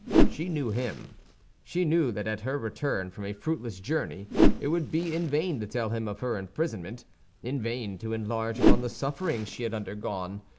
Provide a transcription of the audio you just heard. She knew him; she knew that at her return from a fruitless journey it would be in vain to tell him of her imprisonment, in vain to enlarge upon the sufferings she had undergone.